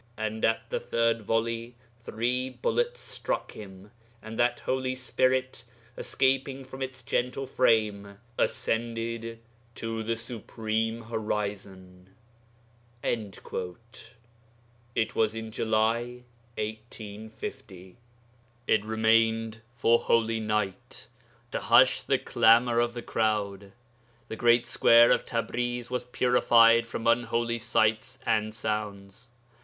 And at the third volley three bullets struck him, and that holy spirit, escaping from its gentle frame, ascended to the Supreme Horizon.' It was in July 1850. It remained for Holy Night to hush the clamour of the crowd. The great square of Tabriz was purified from unholy sights and sounds.